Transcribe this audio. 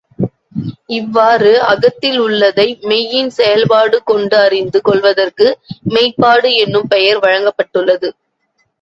இவ்வாறு அகத்தில் உள்ளதை மெய்யின் செயல்பாடு கொண்டு அறிந்து கொள்வதற்கு மெய்ப்பாடு என்னும் பெயர் வழங்கப்பட்டுள்ளது.